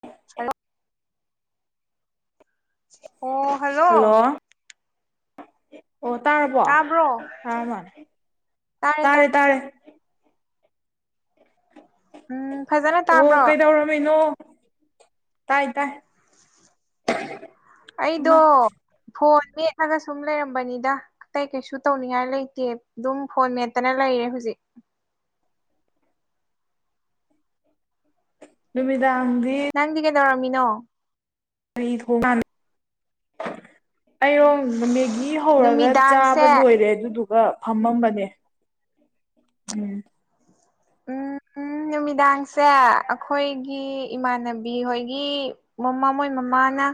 [unintelligible] ꯑꯣ ꯍꯜꯂꯣ [unintelligible] ꯑꯣ ꯇꯥꯔꯕꯣ ꯇꯥꯕ꯭ꯔꯣ ꯇꯥꯔ ꯃꯥꯟꯂꯦ ꯇꯥꯔꯦ ꯇꯥꯔꯦ ꯎꯝ ꯐꯖꯅ ꯑꯣ ꯇꯥꯕ꯭ꯔꯣ ꯀꯩꯗꯧꯔꯝꯃꯤꯅꯣ ꯇꯥꯏ ꯇꯥꯏ ꯑꯩꯗꯣ ꯏꯃꯥ ꯐꯣꯟ ꯃꯦꯠꯂꯒ ꯁꯨꯝ ꯂꯩꯔꯝꯕꯅꯤꯗ ꯑꯇꯩ ꯀꯩꯁꯨ ꯇꯧꯅꯤꯡꯉꯥꯏ ꯂꯩꯇꯦ ꯑꯗꯨꯝ ꯐꯣꯟ ꯃꯦꯠꯇꯅ ꯂꯩ ꯌꯦ ꯍꯧꯖꯤꯛ ꯅꯨꯃꯤꯗꯥꯡꯗꯤ ꯅꯪꯗꯤ ꯀꯩꯗꯧꯔꯝꯃꯤꯅꯣ [unintelligible] ꯑꯩꯔꯣꯝ ꯃꯦꯒꯤ ꯍꯧꯔꯒ ꯆꯥꯕ ꯅꯨꯃꯤꯗꯥꯡꯁꯦ ꯂꯣꯏꯔꯦ ꯑꯗꯨꯗꯨꯒ ꯐꯝꯃꯝꯕꯅꯦ ꯎꯝ ꯎꯝ ꯎꯝ ꯅꯨꯃꯤꯗꯥꯡꯁꯦ ꯑꯩꯈꯣꯏꯒꯤ ꯏꯃꯥꯟꯅꯕꯤ ꯍꯣꯏꯒꯤ ꯃꯝꯃꯥ ꯃꯣꯏ ꯃꯃꯥ ꯃꯥꯅ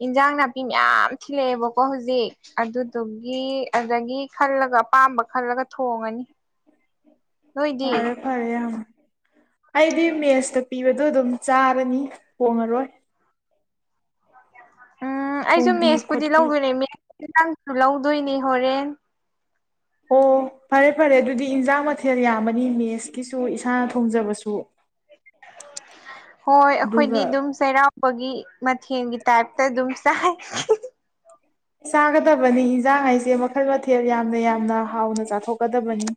ꯑꯦꯟꯖꯥꯡ ꯅꯥꯄꯤ ꯃꯌꯥꯝ ꯊꯤꯜꯂꯑꯦꯕꯀꯣ ꯍꯧꯖꯤꯛ ꯑꯗꯨꯗꯨꯒꯤ ꯑꯗꯒꯤ ꯈꯜꯂꯒ ꯑꯄꯥꯝꯕ ꯈꯜꯂꯒ ꯊꯣꯡꯉꯅꯤ꯫ ꯅꯣꯏꯗꯤ ꯐꯔꯦ ꯐꯔꯦ ꯑꯩꯗꯤ ꯃꯦꯖꯇ ꯄꯤꯕꯗꯣ ꯑꯗꯨꯝ ꯆꯥꯔꯅꯤ ꯊꯣꯡꯉꯔꯣꯏ ꯎꯝ ꯑꯩꯁꯨ ꯊꯣꯡꯕꯤ ꯃꯦꯖꯄꯨꯗꯤ ꯈꯣꯠꯄꯤ ꯂꯧꯗꯣꯏꯅꯦ [unintelligible] ꯂꯧꯗꯣꯏꯅꯦ ꯍꯣꯔꯦꯟ ꯑꯣ ꯐꯔꯦ ꯐꯔꯦ ꯑꯗꯨꯗꯤ ꯑꯦꯟꯖꯥꯡ ꯃꯊꯦꯜ ꯌꯥꯝꯃꯅꯤ ꯃꯦꯖꯀꯤꯁꯨ ꯏꯁꯥꯅ ꯊꯣꯡꯖꯕꯁꯨ ꯍꯣꯏ ꯑꯗꯨꯒ ꯑꯩꯈꯣꯏꯗꯤ ꯑꯗꯨꯝ ꯆꯩꯔꯥꯎꯕꯒꯤ ꯃꯊꯦꯜꯒꯤ ꯇꯥꯏꯞꯇ ꯑꯗꯨꯝ ꯆꯥꯏ꯫ ꯆꯥꯒꯗꯕꯅꯤ ꯑꯦꯟꯖꯥꯡ ꯍꯥꯏꯁꯦ ꯃꯈꯜ ꯃꯊꯦꯜ ꯌꯥꯝꯅ ꯌꯥꯝꯅ ꯍꯥꯎꯅ ꯆꯥꯊꯣꯛꯀꯗꯕꯅꯦ꯫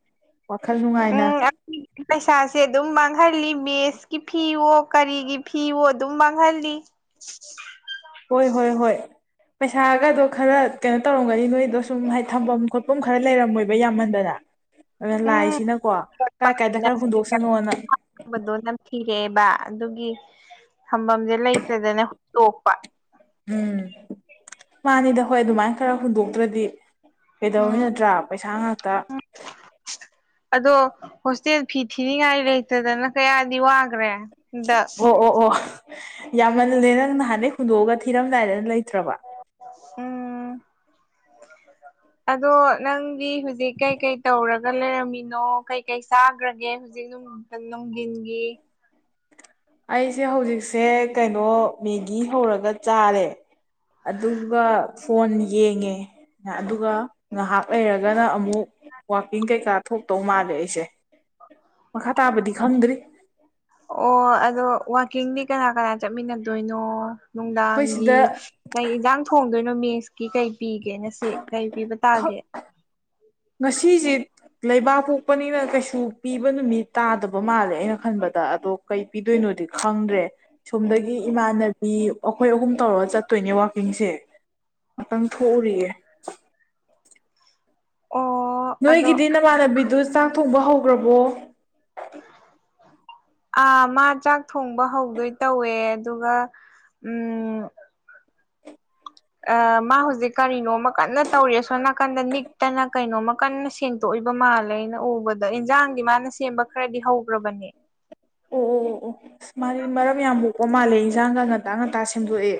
ꯋꯥꯈꯜ ꯅꯨꯡꯉꯥꯏꯅ ꯎꯝ ꯑꯩꯈꯣꯏꯒꯤ ꯄꯩꯁꯥꯁꯦ ꯑꯗꯨꯝ ꯃꯥꯡꯍꯜꯂꯤ ꯃꯦꯖꯀꯤ ꯐꯤꯑꯣ ꯀꯔꯤꯒꯤ ꯐꯤꯋꯣ ꯑꯗꯨꯝ ꯃꯥꯡꯍꯜꯂꯤ꯫ ꯍꯣꯏ ꯍꯣꯏ ꯍꯣꯏ ꯄꯩꯁꯥꯒꯗꯣ ꯈꯔ ꯀꯩꯅꯣ ꯇꯧꯔꯝꯒꯅꯤ ꯅꯣꯏꯗꯣ ꯁꯨꯝ ꯊꯝꯐꯝ ꯈꯣꯠꯐꯝ ꯈꯔ ꯂꯩꯔꯝꯃꯔꯣꯏ ꯌꯥꯝꯃꯟꯗꯅ ꯎꯝ ꯂꯥꯏꯁꯤꯅꯀꯣ ꯀꯥꯏ ꯀꯥꯏꯗ ꯈꯔ ꯍꯨꯟꯗꯣꯛꯁꯅꯣ ꯅꯝꯊꯤꯕꯗꯣ ꯍꯥꯏꯅ ꯅꯝꯊꯤꯔꯛꯑꯦꯕ ꯑꯗꯨꯒꯤ ꯊꯝꯐꯝꯁꯦ ꯂꯩꯇꯗꯅ ꯍꯨꯟꯗꯣꯛꯄ ꯎꯝ ꯃꯥꯅꯤꯗ ꯍꯣꯏ ꯑꯗꯨꯃꯥꯏ ꯈꯔ ꯍꯨꯟꯗꯣꯛꯇ꯭ꯔꯗꯤ ꯀꯩꯗꯧꯅꯤ ꯎꯝ ꯅꯠꯇ꯭ꯔꯥ ꯄꯩꯁꯥ ꯉꯥꯛꯇ ꯑꯗꯣ ꯍꯣꯁꯇꯦꯜ ꯐꯤ ꯊꯤꯅꯤꯡꯉꯥꯏ ꯂꯩꯇꯗꯅ ꯀꯌꯥꯗꯤ ꯋꯥꯈ꯭ꯔꯦ ꯗ ꯑꯣ ꯑꯣ ꯑꯣ ꯌꯥꯝꯃꯜꯂꯦ ꯅꯪ ꯅꯍꯥꯟꯗꯩ ꯍꯨꯟꯗꯣꯛꯑꯒ ꯊꯤꯔꯝꯗꯥꯏꯗꯅ ꯂꯩꯇ꯭ꯔꯕ ꯇꯔꯕ ꯎꯝ ꯑꯗꯣ ꯅꯪꯗꯤ ꯍꯧꯖꯤꯛ ꯀꯔꯤ ꯀꯔꯤ ꯇꯧꯔꯒ ꯂꯩꯔꯝꯃꯤꯅꯣ ꯍꯧꯖꯤꯛ ꯀꯔꯤ ꯀꯔꯤꯗꯤ ꯆꯥꯈ꯭ꯔꯒꯦ ꯅꯨꯡꯊꯤꯟꯒꯤ ꯑꯩꯁꯦ ꯍꯧꯖꯤꯛꯁꯦ ꯀꯩꯅꯣ ꯃꯦꯒꯤ ꯍꯧꯔꯒ ꯆꯥꯔꯦ ꯑꯗꯨꯒ ꯐꯣꯟ ꯌꯦꯡꯉꯦ ꯉꯥꯏꯍꯥꯛ ꯂꯩꯔꯒꯅ ꯑꯃꯨꯛ ꯋ꯭ꯔꯛꯀꯤꯡ ꯀꯩꯀꯥ ꯊꯣꯛꯇꯧ ꯃꯥꯜꯂꯦ ꯑꯩꯁꯦ ꯃꯈꯥ ꯇꯥꯕꯗꯤ ꯈꯪꯗ꯭ꯔꯤ ꯑꯣ ꯑꯗꯣ ꯋ꯭ꯔꯛꯀꯤꯡꯗꯤ ꯀꯅꯥ ꯀꯅꯥ ꯆꯠꯃꯤꯟꯅꯗꯣꯏꯅꯣ? ꯑꯩꯈꯣꯏ ꯅꯨꯡꯗꯥꯡꯒꯤ ꯁꯤꯗ ꯀꯩ ꯑꯦꯟꯖꯥꯡ ꯊꯣꯡꯗꯣꯏꯅꯣ ꯃꯦꯖꯀꯤ ꯄꯤꯒꯦꯅ ꯁꯤ ꯀꯔꯤ ꯄꯤꯕ ꯈꯛ ꯇꯥꯒꯦ ꯉꯁꯤꯁꯦ ꯂꯩꯕꯥꯛ ꯄꯣꯛꯄꯅꯤꯅ ꯀꯩꯁꯨ ꯄꯤꯕ ꯅꯨꯃꯤꯠ ꯇꯥꯗꯕ ꯃꯥꯜꯂꯦ ꯑꯩꯅ ꯈꯟꯕꯗ ꯑꯗꯣ ꯀꯩ ꯄꯤꯗꯣꯏꯅꯣꯗꯤ ꯈꯪꯗ꯭ꯔꯦ ꯁꯣꯝꯗꯒꯤ ꯏꯃꯥꯟꯅꯕꯤ ꯑꯩꯈꯣꯏ ꯑꯍꯨꯝ ꯇꯧꯔꯒ ꯆꯠꯀꯗꯕꯅꯤ ꯆꯠꯇꯣꯏꯅꯦ ꯋ꯭ꯔꯛꯀꯤꯡꯁꯦ ꯉꯥꯏꯍꯥꯛꯇꯪ ꯊꯣꯛꯎꯈꯤꯒꯦ ꯑꯣ ꯑꯗꯣ ꯅꯣꯏꯒꯤꯗꯤ ꯅꯃꯥꯟꯅꯕꯤꯗꯨ ꯆꯥꯛ ꯊꯣꯡꯕ ꯍꯧꯈ꯭ꯔꯕꯣ ꯑꯥ ꯃꯥ ꯆꯥꯛ ꯊꯣꯡꯕ ꯍꯧꯗꯣꯏ ꯇꯧꯋꯦ ꯑꯗꯨꯒ ꯎꯝ ꯑ ꯃꯥ ꯍꯧꯖꯤꯛ ꯀꯔꯤꯅꯣꯝꯃ ꯀꯟꯅ ꯇꯧꯔꯤ ꯑꯁꯣꯝ ꯅꯥꯀꯟꯗ ꯅꯤꯛꯇꯅ ꯀꯩꯅꯣꯝꯃ ꯀꯟꯅ ꯁꯦꯡꯗꯣꯛꯂꯤ ꯑꯩꯅ ꯎꯕꯗ ꯑꯦꯟꯖꯥꯡꯗꯤ ꯃꯥꯅ ꯁꯦꯝꯕ ꯈꯔꯗꯤ ꯍꯧꯈ꯭ꯔꯕꯅꯦ ꯑꯣ ꯑꯣ ꯃꯥꯗꯤ ꯃꯔꯝ ꯌꯥꯝꯅ ꯃꯣꯛꯏꯅꯦ ꯑꯣ ꯃꯥꯜꯂꯦ ꯑꯦꯟꯖꯥꯡꯒ ꯉꯟꯇꯥ ꯉꯟꯇꯥ ꯁꯦꯝꯗꯣꯛꯑꯦ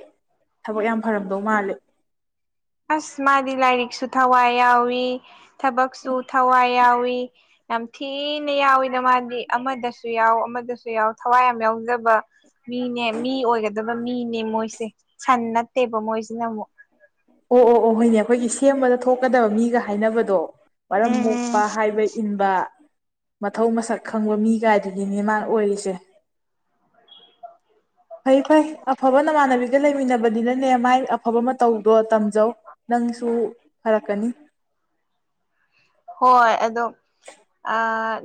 ꯊꯕꯛ ꯌꯥꯝ ꯐꯔꯝꯗꯧ ꯃꯥꯜꯂꯦ ꯑꯁ ꯃꯥꯗꯤ ꯂꯥꯏꯔꯤꯛꯁꯨ ꯊꯋꯥꯏ ꯌꯥꯎꯏ ꯊꯕꯛꯁꯨ ꯊꯋꯥꯏ ꯌꯥꯎꯏ ꯌꯥꯝ ꯊꯤꯅ ꯌꯥꯎꯋꯤꯗ ꯃꯥꯗꯤ ꯑꯃꯗꯁꯨ ꯌꯥꯎ ꯑꯃꯗꯁꯨ ꯌꯥꯎ ꯊꯋꯥꯏ ꯌꯥꯝ ꯌꯥꯎꯖꯕꯅꯦ ꯃꯤꯅꯦ ꯃꯤ ꯑꯣꯏꯒꯗꯕ ꯃꯤꯅꯦ ꯃꯣꯏꯁꯦ ꯁꯟ ꯅꯠꯇꯦꯕ ꯃꯣꯏꯁꯤꯅ ꯑꯃꯨꯛ ꯑꯣ ꯑꯣ ꯑꯣ ꯍꯣꯏꯅꯦ ꯑꯩꯈꯣꯏꯒꯤ ꯁꯦꯝꯕꯗ ꯊꯣꯛꯀꯗꯕ ꯃꯤꯒ ꯍꯥꯏꯅꯕꯗꯣ ꯃꯔꯝ ꯃꯣꯛꯄ ꯎꯝ ꯍꯥꯏꯕ ꯏꯟꯕ ꯃꯊꯧ ꯃꯁꯛ ꯈꯪꯕ ꯃꯤ ꯀꯥꯏꯗꯨꯅꯤ ꯑꯣꯏꯔꯤꯁꯦ ꯐꯩ ꯐꯩ ꯑꯐꯕ ꯅꯃꯥꯟꯅꯕꯤꯒ ꯂꯩꯃꯤꯟꯅꯕꯅꯤꯅꯅꯦ ꯃꯥꯏ ꯑꯐꯕ ꯃꯇꯧ ꯑꯗꯣ ꯇꯝꯖꯧ ꯅꯪꯁꯨ ꯐꯔꯛꯀꯅꯤ ꯍꯣꯏ ꯑꯗꯣ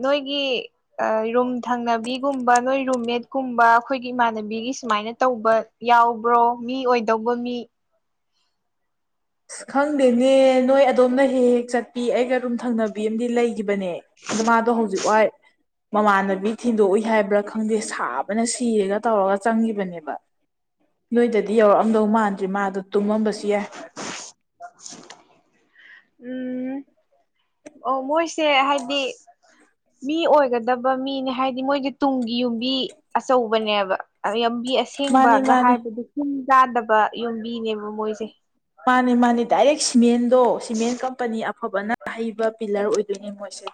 ꯅꯣꯏꯒꯤ ꯔꯨꯝ ꯊꯪꯅꯕꯤꯒꯨꯝꯕ ꯅꯣꯏ ꯔꯨꯝꯃꯦꯠꯀꯨꯝꯕ ꯑꯩꯈꯣꯏꯒꯤ ꯏꯃꯥꯟꯅꯕꯤꯒꯤ ꯁꯨꯃꯥꯏꯅ ꯇꯧꯕ ꯌꯥꯎꯕ꯭ꯔꯣ ꯃꯤ ꯑꯣꯏꯗꯧꯕ ꯃꯤ ꯑꯁ ꯈꯪꯗꯦꯅꯦ ꯅꯣꯏ ꯑꯗꯣꯝꯅ ꯍꯦꯛ ꯍꯦꯛ ꯆꯠꯄꯤ ꯑꯩꯒ ꯑꯗꯨꯨꯝ ꯊꯪꯅꯕꯤ ꯑꯃꯗꯤ ꯂꯩꯒꯤꯈꯤꯕꯅꯦ ꯑꯗꯣ ꯃꯥꯗꯣ ꯍꯧꯖꯤꯛ ꯋꯥꯏ ꯃꯃꯥꯟꯅꯕꯤ ꯊꯤꯟꯗꯣꯛꯏ ꯍꯥꯏꯕ꯭ꯔꯥ ꯈꯪꯗꯦ ꯁꯥꯕꯅ ꯁꯤꯔꯒ ꯇꯧꯔꯒ ꯆꯪꯈꯤꯕꯅꯦꯕ ꯅꯣꯏꯗꯗꯤ ꯌꯧꯔꯛꯑꯝꯗꯧ ꯃꯥꯟꯗ꯭ꯔꯤ ꯃꯥꯗ ꯇꯨꯝꯃꯝꯕꯁꯨ ꯌꯥꯏ ꯎꯝ ꯑꯣ ꯃꯣꯏꯁꯦ ꯍꯥꯏꯗꯤ ꯃꯤ ꯑꯣꯏꯒꯗꯕ ꯃꯤꯅꯦ ꯍꯥꯏꯗꯤ ꯃꯣꯏꯗꯤ ꯇꯨꯡꯒꯤ ꯌꯨꯝꯕꯤ ꯑꯆꯧꯕꯅꯦꯕ ꯌꯥꯝ ꯌꯕꯤ ꯃꯥꯅꯤ ꯑꯁꯦꯡꯕꯒ ꯃꯥꯅꯤ ꯍꯥꯏꯕꯗꯨ ꯇꯤꯟ ꯆꯥꯗꯕ ꯌꯨꯝꯕꯤꯅꯦꯕ ꯃꯣꯏꯁꯦ ꯃꯥꯅꯦ ꯃꯥꯅꯦ ꯗꯥꯏꯔꯦꯛ ꯁꯤꯃꯦꯟꯗꯣ ꯁꯤꯃꯦꯟ ꯀꯝꯄꯅꯤ ꯑꯐꯕꯅ ꯑ ꯍꯩꯕ ꯄꯤꯂꯔ ꯑꯣꯏ ꯄꯤꯅꯤ ꯃꯣꯏꯁꯦ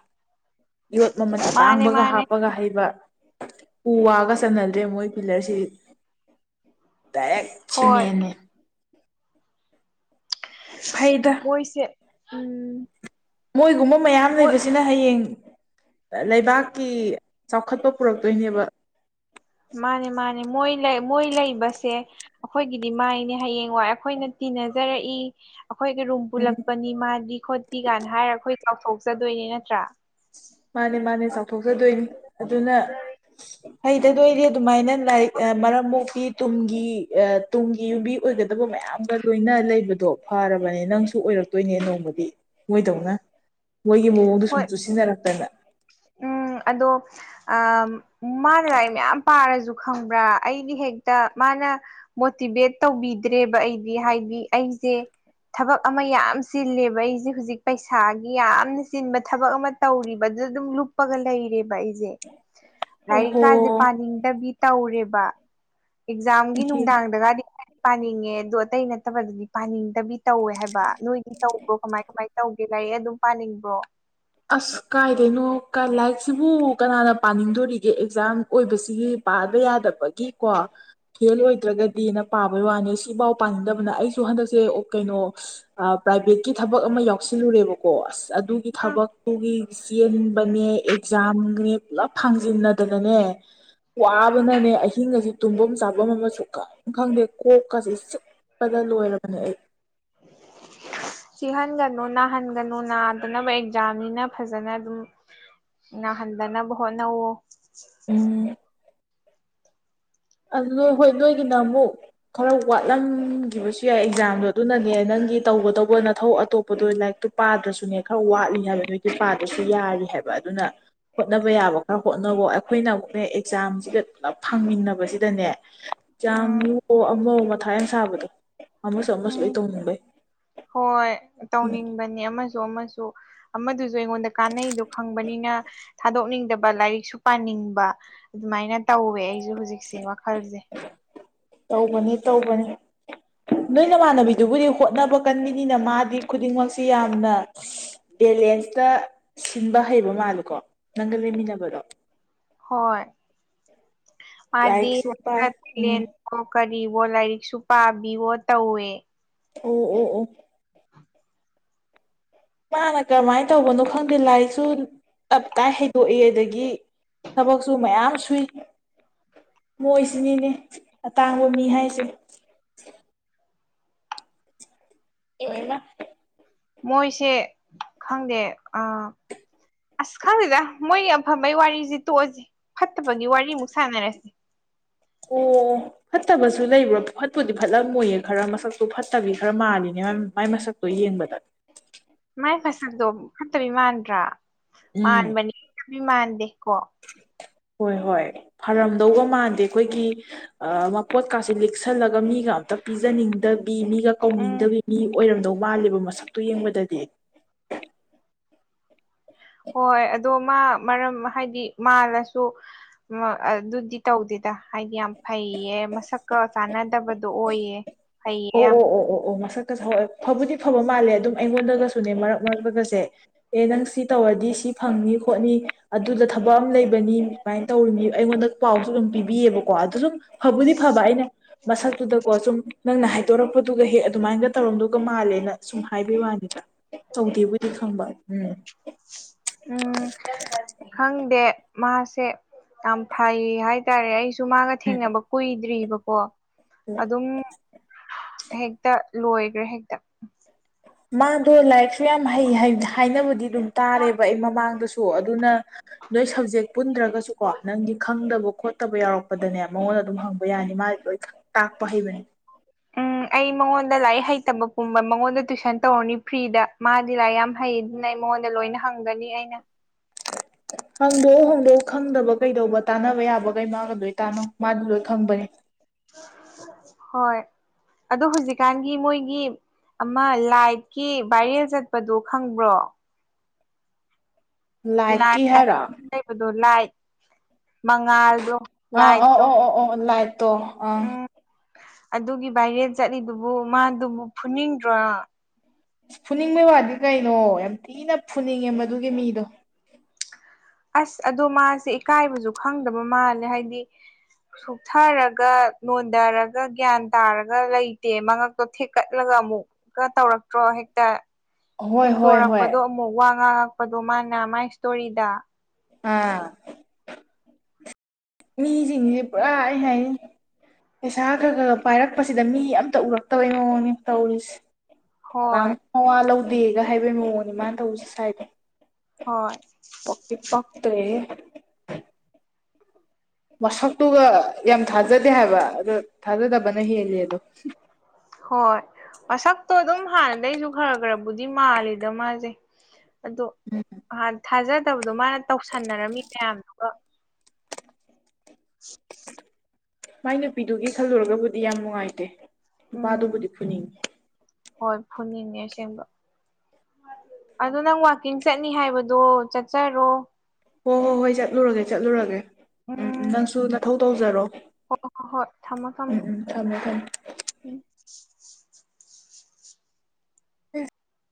ꯌꯣꯠ ꯃꯃꯜ ꯃꯥꯅꯦ ꯑꯇꯥꯡꯕꯒ ꯃꯥꯅꯦ ꯍꯥꯞꯄꯒ ꯍꯩꯕ ꯎ ꯋꯥꯒ ꯆꯟꯅꯗ꯭ꯔꯦ ꯃꯣꯏ ꯄꯤꯂꯔꯁꯤ ꯗꯥꯏꯔꯦꯛ ꯍꯣꯏ ꯁꯤꯃꯦꯟꯅꯤ ꯐꯩꯗ ꯃꯣꯏꯁꯦ ꯎꯝ ꯃꯣꯏꯒꯨꯝꯕ ꯃꯌꯥꯝ ꯃꯣꯏ ꯂꯩꯕꯁꯤꯅ ꯍꯌꯦꯡ ꯂꯩꯕꯥꯛꯀꯤ ꯆꯥꯎꯈꯠꯄ ꯄꯨꯔꯛꯇꯣꯏꯅꯦꯕ ꯃꯥꯅꯦ ꯃꯥꯅꯦ ꯃꯣꯏ ꯃꯣꯏ ꯂꯩꯕꯁꯦ ꯑꯩꯈꯣꯏꯒꯤꯗꯤ ꯃꯥꯏꯅꯦ ꯍꯌꯦꯡ ꯋꯥꯏ ꯑꯩꯈꯣꯏꯅ ꯇꯤꯟꯅꯖꯔꯛꯏ ꯑꯩꯈꯣꯏꯒꯤ ꯔꯨꯝ ꯄꯨꯜꯂꯛꯄꯅꯤ ꯃꯥꯗꯤ ꯈꯣꯠꯇꯤ ꯀꯥꯏꯅ ꯍꯥꯏꯔ ꯑꯩꯈꯣꯏ ꯆꯥꯎꯊꯣꯛꯆꯗꯣꯏꯅꯦ ꯅꯠꯇ꯭ꯔꯥ ꯃꯥꯅꯦ ꯃꯥꯅꯦ ꯆꯥꯎꯊꯣꯛꯆꯗꯣꯏꯅꯤ ꯑꯗꯨꯅ ꯍꯩꯇꯗꯣꯏꯗꯤ ꯑꯗꯨꯃꯥꯏꯅ ꯂꯛ ꯃꯔꯝ ꯃꯣꯛꯄꯤ ꯇꯨꯡꯒꯤ ꯇꯨꯡꯒꯤ ꯌꯨꯝꯕꯤ ꯑꯣꯏꯒꯗꯕ ꯃꯌꯥꯝꯒ ꯂꯣꯏꯅ ꯂꯩꯕꯗꯣ ꯐꯔꯕꯅꯦ ꯅꯪꯁꯨ ꯑꯣꯏ ꯔꯛꯇꯣꯏꯅꯦ ꯅꯣꯡꯃꯗꯤ ꯃꯣꯏꯗꯧꯅ ꯃꯣꯏꯒꯤ ꯃꯑꯣꯡꯗꯣ ꯁꯨꯝ ꯍꯣꯏ [unintelligible] ꯎꯝ ꯑꯗꯣ ꯑ ꯃꯥꯅ ꯂꯥꯏꯔꯤꯛ ꯃꯌꯥꯝ ꯄꯥꯔꯖꯨ ꯈꯪꯕ꯭ꯔꯥ ꯑꯩꯗꯤ ꯍꯦꯛꯇ ꯃꯥꯅ ꯃꯣꯇꯤꯚꯦꯠ ꯇꯧꯕꯤꯗ꯭ꯔꯦꯕ ꯑꯩꯗꯤ ꯍꯥꯏꯗꯤ ꯑꯩ ꯖꯦ ꯊꯕꯛ ꯑꯃ ꯌꯥꯝ ꯆꯤꯜꯂꯦꯕ ꯑꯩꯖꯦ ꯍꯨꯖꯤꯛ ꯄꯩꯁꯥꯒꯤ ꯌꯥꯝꯅ ꯆꯤꯟꯕ ꯊꯕꯛ ꯑꯃ ꯇꯧꯔꯤꯕ ꯑꯗ ꯗꯨꯝ ꯂꯨꯞꯄꯒ ꯂꯩꯔꯦꯕ ꯑꯩꯖꯦ ꯑꯣꯍꯣ ꯂꯥꯏꯔꯤꯛꯀꯥꯖꯦ ꯄꯥꯅꯤꯡꯗꯕꯤ ꯇꯧꯔꯦꯕꯥ ꯑꯦꯛꯖꯥꯝꯒꯤ ꯅꯨꯡꯗꯥꯡꯗꯒꯥꯗꯤ ꯄꯥꯅꯤꯡꯉꯦ ꯑꯗꯣ ꯑꯇꯩ ꯅꯠꯇꯕꯗꯗꯤ ꯄꯥꯅꯤꯡꯗꯕꯤ ꯇꯧꯋꯦ ꯍꯥꯏꯕꯥ ꯅꯣꯏꯗꯤ ꯇꯧꯕ꯭ꯔꯣ ꯀꯃꯥꯏ ꯀꯃꯥꯏ ꯇꯧꯒꯦ ꯂꯥꯏ ꯂꯥꯏꯔꯤꯛ ꯑꯗꯨꯝ ꯄꯥꯅꯤꯡꯕ꯭ꯔꯣ ꯑꯁ ꯀꯥꯏꯗꯩꯅꯣ ꯀ ꯂꯥꯏꯔꯤꯛꯁꯤꯕꯨ ꯀꯅꯥꯅ ꯄꯥꯅꯤꯡꯗꯣꯔꯤꯒꯦ ꯑꯦꯛꯖꯥꯝ ꯑꯣꯏꯕꯁꯤꯒꯤ ꯄꯥꯗ ꯌꯥꯗꯕꯒꯤꯀꯣ ꯐꯦꯜ ꯑꯣꯏꯗ꯭ꯔꯒꯗꯤꯅ ꯄꯥꯕꯩ ꯋꯥꯅꯤ ꯁꯤꯐꯥꯎ ꯄꯥꯅꯤꯡꯗꯕꯅ ꯑꯩꯁꯨ ꯍꯟꯗꯛꯁꯦ ꯑꯣ ꯀꯩꯅꯣ ꯑ ꯄ꯭ꯔꯥꯏꯚꯦꯠꯀꯤ ꯊꯕꯛ ꯑꯃ ꯌꯥꯎꯁꯤꯜꯂꯨꯔꯦꯕꯀꯣ ꯑꯁ ꯑꯗꯨꯒꯤ ꯑ ꯊꯕꯛ ꯇꯨꯒꯤ ꯆꯦꯟꯕꯅꯦ ꯑꯦꯛꯖꯥꯝꯅꯦ ꯄꯨꯂꯞ ꯐꯥꯡꯖꯤꯟꯅꯗꯅꯅꯦ ꯋꯥꯕꯅꯅꯦ ꯑꯍꯤꯡ ꯒꯖꯦ ꯇꯨꯝꯕꯝ ꯆꯥꯕꯝ ꯑꯃ ꯁꯨꯛ ꯈꯪ ꯈꯪꯗꯦ ꯀꯣꯛ ꯀꯥ ꯖꯦ ꯆꯤꯛꯄꯗ ꯂꯣꯏꯔꯕꯅꯦ ꯑꯩ ꯆꯤꯛꯍꯟꯒꯅꯨ ꯅꯥꯍꯟꯒꯅꯨ ꯅꯥꯗꯅꯕ ꯑꯦꯛꯖꯥꯝꯅꯤꯅ ꯐꯖꯅ ꯑꯗꯨꯝ ꯅꯥꯍꯟꯗꯅꯕ ꯍꯣꯠꯅꯧꯑꯣ [unintelligible] ꯑꯗꯨꯗꯣ ꯍꯣꯏ ꯅꯣꯏꯒꯤꯅ ꯑꯃꯨꯛ ꯈꯔ ꯋꯥꯠꯂꯝꯒꯤꯕꯁꯨ ꯌꯥꯏ ꯑꯦꯛꯖꯥꯝꯗꯣ ꯑꯗꯨꯅꯅꯦ ꯅꯪ꯫ ꯒꯤ ꯇꯧꯒꯗꯧꯕ ꯅꯊꯧ ꯑꯇꯣꯞꯄꯗꯣ ꯂꯥꯏꯔꯤꯛꯇꯨ ꯄꯥꯗ꯭ꯔꯁꯨꯅꯦ ꯈꯔ ꯋꯥꯠꯂꯤ ꯍꯥꯏꯕ ꯅꯣꯏꯒꯤ ꯄꯥꯗ꯭ꯔꯁꯨ ꯌꯥꯔꯤ ꯍꯥꯏꯕ꯫ ꯕ ꯑꯗꯨꯅ ꯍꯣꯠꯅꯕ ꯌꯥꯕ ꯈꯔ ꯍꯣꯠꯅꯒꯣ, ꯑꯩꯈꯣꯏꯅ ꯑꯃꯨꯛꯅꯦ ꯑꯦꯛꯖꯥꯝꯖꯤꯒ ꯄꯨꯂꯞ ꯐꯪꯃꯤꯟꯅꯕꯖꯤ ꯗꯅꯦ ꯎꯝ ꯖꯥꯝꯑꯣ ꯑꯃ ꯃꯨꯛ ꯃꯊꯥ ꯌꯥꯝ ꯁꯥꯕꯗꯣ꯫ ꯑꯃꯁꯨ ꯑꯃꯁꯨ ꯂꯣꯏ ꯎꯝ ꯇꯧꯅꯕꯥꯩ꯫ ꯍꯣꯏ ꯇꯧꯅꯤꯡꯕꯅꯦ ꯑꯃꯖꯨ ꯑꯃꯖꯨ ꯑꯃꯗꯨꯗꯤ ꯖꯨ ꯑꯩꯉꯣꯟꯗ ꯀꯥꯟꯅꯩꯗꯣ ꯈꯪꯕꯅꯤꯅꯥ ꯊꯥꯗꯣꯛꯅꯤꯡꯗꯕ ꯂꯥꯏꯔꯤꯛꯁꯨ ꯄꯥꯅꯤꯡꯕ ꯑꯗꯨꯃꯥꯏꯅ ꯇꯧꯋꯦ ꯑꯩꯖꯦ꯫ ꯍꯨꯖꯤꯛ ꯍꯨꯖꯤꯛꯁꯦ ꯋꯥꯈꯜꯖꯦ꯫ ꯇꯧꯕꯅꯤ ꯇꯧꯕꯅꯤ꯫ ꯅꯣꯏ ꯅꯃꯥꯟꯅꯕꯤꯗꯨꯕꯨꯗꯤ ꯍꯣꯠꯅꯕ ꯀꯟꯕꯤꯅꯤꯅ ꯃꯥꯗꯤ ꯈꯨꯗꯤꯡꯃꯛꯁꯤ ꯌꯥꯝꯅ [unintelligible] ꯕꯦꯂꯦꯟꯁꯇ ꯁꯤꯟꯕ ꯍꯩꯕ ꯃꯥꯜꯂꯤꯀꯣ ꯅꯪꯒ ꯂꯩꯃꯤꯟꯅꯕꯗꯣ꯫ ꯍꯣꯏ ꯃꯥꯗꯤ ꯂꯥꯏꯔꯤꯛꯁꯦ ꯄꯥꯏ [unintelligible] ꯂꯦꯟ ꯎꯝ ꯀꯣꯛ ꯀꯔꯤꯕꯣ ꯂꯥꯏꯔꯤꯛꯁꯨ ꯄꯥꯕꯤꯕꯣ ꯇꯧꯋꯦ꯫ ꯑꯣ-ꯑꯣ-ꯑꯣ꯫ ꯃꯥꯅ ꯀꯔꯝꯃꯥꯏꯟ ꯇꯧꯕꯅꯣ ꯈꯪꯗꯦ ꯂꯥꯏꯔꯤꯛꯁꯨ ꯇꯞ ꯇꯥꯏ ꯍꯩꯗꯣꯛꯏ ꯑꯗꯒꯤ ꯊꯕꯛꯁꯨ ꯃꯌꯥꯝ ꯁꯨꯏ꯫ ꯃꯣꯏꯁꯤꯅꯤꯅꯦ ꯑꯇꯥꯡꯕ ꯃꯤ ꯍꯥꯏꯁꯦ꯫ ꯑꯦ ꯑꯦꯝꯃꯥ꯫ ꯃꯣꯏꯁꯦ ꯈꯪꯗꯦ ꯑꯥ꯫ ꯑꯁ ꯈꯪꯗꯦꯗꯥ ꯃꯣꯏꯒꯤ ꯑꯐꯕꯩ ꯋꯥꯔꯤꯖꯤ ꯇꯣꯛꯑꯖꯤ, ꯐꯠꯇꯕꯒꯤ ꯋꯥꯔꯤꯃꯨꯛ ꯁꯥꯟꯅꯔꯁꯤ꯫ [inaudible] ꯑꯣ ꯐꯠꯇꯕꯁꯨ ꯂꯩꯕ꯭ꯔꯣ ꯐꯠꯄꯨꯗꯤ ꯐꯠꯂꯝꯃꯣꯏꯌꯦ ꯈꯔ ꯃꯁꯛꯇꯣ ꯐꯠꯇꯕꯤ ꯈꯔ ꯃꯥꯜꯂꯤꯅꯦ꯫ ꯌꯥꯝ ꯃꯥꯏ ꯃꯁꯛꯇꯣ ꯌꯦꯡꯕꯗ꯫ ꯃꯥꯏ ꯃꯁꯛꯇꯣ ꯐꯠꯇꯕꯤ ꯃꯥꯟꯗ꯭ꯔꯥ, ꯎꯝ ꯃꯥꯟꯕꯅꯤ ꯐꯕꯤ ꯃꯥꯟꯗꯦ꯫ ꯀꯣ꯫ ꯍꯣꯏ-ꯍꯣꯏ ꯐꯔꯝꯗꯧꯒ ꯃꯥꯟꯗꯦ ꯈꯣꯏꯒꯤ ꯑꯥ ꯃꯄꯣꯠꯀꯥꯁꯦ ꯂꯤꯛꯁꯜꯂꯒ ꯃꯤ ꯃꯤꯒ ꯑꯝꯇ ꯄꯤꯖꯅꯤꯡꯗ ꯕꯤ ꯃꯤꯒ ꯎꯝ ꯀꯧꯅꯤꯡꯗꯕꯤ ꯃꯤ ꯑꯣꯏꯔꯝꯗꯧ ꯃꯥꯂꯦꯕ ꯃꯁꯛꯇꯣ ꯌꯦꯡꯕꯗꯗꯤ꯫ ꯍꯣꯏ ꯑꯗꯣ ꯃꯥ ꯃꯔꯝ ꯍꯥꯏꯗꯤ ꯃꯥꯜꯂꯁꯨ ꯃꯥ ꯑꯗꯨꯗꯤ ꯇꯧꯗꯦ꯫ ꯌ ꯍꯥꯏꯗꯤ ꯌꯥꯝ ꯐꯩꯌꯦ ꯃꯁꯛꯀ ꯆꯥꯟꯅꯗꯕꯗꯣ ꯑꯣꯏꯌꯦ꯫ ꯐꯩꯌꯦ ꯌꯥꯝ ꯑꯣ-ꯑꯣ-ꯑꯣ-ꯑꯣ-ꯑꯣ ꯃꯁꯛ [unintelligible] ꯐꯕꯨꯗꯤ ꯐꯕ ꯃꯥꯜꯂꯦ ꯑꯗꯨꯝ ꯑꯩꯉꯣꯟꯗꯒꯁꯨꯅꯦ ꯃꯔꯛ ꯃꯔꯛꯂꯒꯁꯦ ꯑꯦ ꯅꯪ ꯁꯤ ꯇꯧꯔꯗꯤ ꯁꯤ ꯁꯤ ꯐꯪꯅꯤ ꯈꯣꯠꯅꯤ ꯑꯗꯨꯗ ꯊꯕꯛ ꯑꯃ ꯂꯩꯕꯅꯤ ꯁꯨꯃꯥꯏꯅ ꯇꯧꯔꯤꯅꯤ ꯑꯩꯉꯣꯟꯗ ꯄꯥꯎꯁꯨ ꯑꯗꯨꯝ ꯄꯤꯕꯤꯌꯦꯕ꯫ ꯀꯣ ꯑꯗꯨ ꯁꯨꯝ ꯐꯕꯨꯗꯤ ꯐꯕ ꯑꯩꯅ ꯃꯁꯛꯇꯨꯗꯀꯣ ꯁꯨꯝ ꯅꯪꯅ ꯍꯥꯏꯗꯣꯔꯛꯄꯗꯨꯒ ꯍꯦꯛ ꯑꯗꯨꯃꯥꯏꯅꯒ ꯇꯧꯔꯝꯗꯨꯒ ꯃꯥꯜꯂꯦꯅ ꯁꯨꯝ ꯍꯥꯏꯕꯤꯌ ꯋꯥꯅꯤꯗ꯫ ꯇꯧꯗꯦꯕꯨꯗꯤ ꯈꯪꯕ ꯎꯝ꯫ ꯎꯝ ꯈꯪꯗꯦ ꯃꯥꯁꯦ ꯌꯥꯝ ꯐꯩ ꯍꯥꯏꯇꯥꯔꯦ ꯑꯩꯁꯨ ꯃꯥꯒ ꯊꯦꯡꯅꯕ ꯀꯨꯏꯗ꯭ꯔꯤꯕꯔꯤꯕꯀꯣ꯫ ꯑꯗꯨꯝ ꯍꯦꯛꯇ ꯂꯣꯏꯈꯒ꯭ꯔꯦ ꯍꯦꯛꯇ꯫ ꯃꯥꯗꯣ ꯂꯥꯏꯔꯤꯛꯁꯨ ꯌꯥꯝ ꯍꯩ ꯍꯥꯏꯅꯕꯗꯤ ꯑꯗꯨꯝ ꯇꯥꯔꯦꯕ ꯑꯩ ꯃꯃꯥꯡꯗꯁꯨ ꯑꯗꯨꯅ ꯅꯣꯏ ꯁꯕꯖꯦꯛ ꯄꯨꯟꯗ꯭ꯔꯒꯁꯨꯀꯣ ꯅꯪꯒꯤ ꯈꯪꯗꯕ ꯈꯣꯠꯇꯕ ꯌꯥꯎꯔꯛꯄꯗꯅꯦ ꯃꯉꯣꯟꯗ ꯑꯗꯨꯝ ꯍꯪꯕ ꯌꯥꯅꯤ ꯃꯗꯤ ꯂꯣꯏꯅ ꯈ ꯇꯥꯛꯄ ꯍꯩꯕꯅꯦ꯫ ꯎꯝ ꯑꯩ ꯃꯉꯣꯟꯗ ꯂꯥꯏꯔꯤꯛ ꯍꯩꯇꯕ ꯄꯨꯝꯕ ꯃꯉꯣꯟꯗ ꯇꯨꯋꯁꯟ ꯇꯧꯔꯅꯤ ꯐ꯭ꯔꯤꯗ ꯃꯥꯗꯤ ꯂꯥꯏꯔꯤꯛ ꯌꯥꯝ ꯍꯩꯅ ꯃꯉꯣꯟꯗ ꯂꯣꯏꯅ ꯍꯪꯒꯅꯤ ꯑꯩꯅ꯫ ꯍꯪꯗꯣꯛꯎ ꯍꯣꯡꯗꯣꯛꯎ ꯈꯪꯗꯕ ꯀꯩꯗꯧꯕ ꯇꯥꯟꯅꯕ ꯌꯥꯕꯒꯩ ꯃꯥꯒ ꯂꯣꯏ ꯇꯥꯅꯣ ꯃꯥꯗꯨ ꯂꯣꯏ ꯈꯪꯕꯅꯦ ꯍꯣꯏ ꯑꯗꯣ ꯍꯧꯖꯤꯛꯀꯥꯟꯒꯤ ꯃꯣꯏꯒꯤ ꯑꯃ ꯂꯥꯏꯠꯀꯤ ꯚꯥꯏꯔꯦꯜ ꯆꯠꯄꯗꯨ ꯈꯪꯕ꯭ꯔꯣ ꯂꯥꯏꯠ ꯂꯥꯏꯠꯀꯤ ꯍꯥꯏꯔꯣ [unintelligible] ꯂꯩꯕꯗꯣ ꯂꯥꯏꯠ ꯃꯉꯥꯜꯗꯣ ꯂꯥꯏꯠꯇꯣ ꯇꯣ ꯑꯪ ꯎꯝ ꯑꯗꯨꯒꯤ ꯚꯥꯏꯔꯦꯜ ꯆꯠꯂꯤꯗꯨꯕꯨ ꯃꯥꯗꯨꯕꯨ ꯐꯨꯅꯤꯡꯗ꯭ꯔꯣ ꯑꯁ ꯐꯨꯅꯤꯡꯕꯩ ꯋꯥꯗꯤ ꯀꯩꯅꯣ ꯌꯥꯝ ꯊꯤꯅ ꯐꯨꯅꯤꯡꯉꯦ ꯃꯗꯨꯒꯤ ꯃꯤꯗꯣ ꯑꯁ ꯑꯗꯣ ꯃꯥꯁꯦ ꯏꯀꯥꯏꯕꯁꯨ ꯈꯪꯗꯕ ꯃꯥꯜꯂꯦ ꯍꯥꯏꯗꯤ ꯁꯨꯊꯔꯒ ꯅꯣꯟꯊꯔꯒ ꯒ꯭ꯌꯥꯟ ꯇꯥꯔꯒ ꯂꯩꯇꯦ ꯃꯉꯛꯇꯣ ꯊꯦꯛꯀꯠꯂꯒ ꯑꯃꯨꯛꯀ ꯇꯧꯔꯛꯇ꯭ꯔꯣ ꯍꯦꯛꯇ ꯍꯣꯏ ꯍꯣꯏ ꯍꯣꯏ ꯁꯦꯡꯇꯣꯔꯛꯄꯗꯣ ꯑꯃꯨꯛ ꯋꯥ ꯉꯥꯡꯉꯛꯄꯗꯣ ꯃꯥꯅ ꯃꯥꯏ ꯏꯁꯇꯣꯔꯤꯗ ꯑꯥ ꯃꯤꯁꯤꯡꯁꯦ ꯄꯨꯔꯥ ꯍꯥꯏ ꯍꯥꯏ ꯄꯩꯁꯥ ꯈꯔ ꯈꯔ ꯈ ꯄꯥꯏꯔꯛꯄꯁꯤꯗ ꯃꯤ ꯑꯃꯝꯇ ꯎꯔꯛꯇꯕꯩ ꯃꯑꯣꯡꯅꯤ ꯇꯧꯔꯤꯁꯦ ꯀꯅꯥꯝ ꯍꯣꯏ ꯃꯋꯥ ꯂꯧꯗꯦꯒ ꯍꯥꯏꯕꯩ ꯃꯑꯣꯡꯅꯤ ꯃꯥꯅ ꯇꯧꯁꯤ ꯁꯋꯥꯏꯗꯣ ꯍꯣꯏ ꯃꯁꯛꯇꯨꯒ ꯌꯥꯝ ꯊꯥꯖꯗꯦ ꯍꯥꯏꯕ ꯑ ꯊꯥꯖꯗꯕꯅ ꯍꯦꯜꯂꯤ ꯑꯗꯣ ꯍꯣꯏ ꯃꯁꯛꯇꯣ ꯑꯗꯨꯝ ꯍꯥꯟꯅꯗꯩꯁꯨ ꯈꯔ ꯈꯔꯕꯨꯗꯤ ꯃꯥꯜꯂꯤꯗ ꯃꯥꯁꯦ ꯑꯗꯣ ꯍꯥꯟ ꯊꯥꯖꯠ ꯐꯠꯇꯕꯗꯣ ꯃꯥꯅ ꯇꯧꯁꯟꯅꯔꯝꯃꯤ ꯃꯌꯥꯝꯗꯨꯒ ꯃꯥꯏ ꯅꯨꯄꯤꯗꯨꯒꯤ ꯈꯜꯂꯨꯔꯒꯕꯨꯗꯤ ꯌꯥꯝ ꯅꯨꯡꯉꯥꯏꯇꯦ ꯎꯝ ꯅꯨꯄꯥꯗꯨꯕꯨꯗꯤ ꯐꯨꯅꯤꯡꯉꯤ ꯍꯣꯏ ꯐꯨꯅꯤꯡꯉꯦ ꯑꯁꯦꯡꯕ ꯑꯗꯣ ꯅꯪ ꯋꯥꯛꯀꯤꯡ ꯆꯠꯅꯤ ꯍꯥꯏꯕꯗꯣ ꯆꯠꯆꯔꯣ ꯍꯣꯏ ꯍꯣꯏ ꯍꯣꯏ ꯆꯠꯂꯨꯔꯒꯦ ꯆꯠꯂꯨꯔꯒꯦ ꯎꯝ ꯅꯪꯁꯨ ꯅꯊꯧ ꯇꯧꯖꯔꯣ ꯑꯣ ꯍ ꯍꯣ ꯊꯃꯣ ꯊꯃꯣ ꯎꯝ ꯎꯝ ꯊꯝꯃꯦ ꯊꯝꯃꯦ ꯎꯝ [unintelligible]